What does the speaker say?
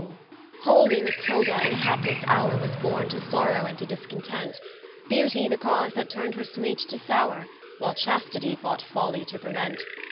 ¶ Holy Matilda in a haplesse houre Was borne to sorrow and to discontent, Beauty the cause that turn'd her Sweet to Sowre, While Chastity sought Folly to preuent.